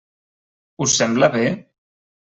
Us sembla bé?